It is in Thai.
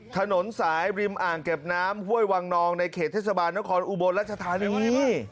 ถนนสายริมอ่างเก็บน้ำห้วยวังนองในเขตเทศบาลนครอุบลรัชธานี